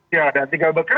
ya dan tinggal bekerja